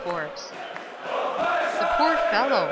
Forbes." "The poor fellow!"